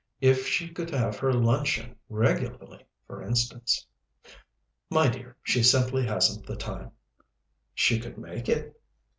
If she could have her luncheon regularly, for instance." "My dear, she simply hasn't the time." "She could make it."